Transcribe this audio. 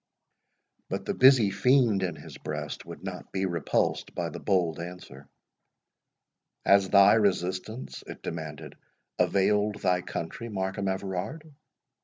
But the busy fiend in his breast would not be repulsed by the bold answer. "Has thy resistance," it demanded, "availed thy country, Markham Everard?